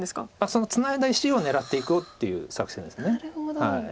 そのツナいだ石を狙っていこうという作戦です。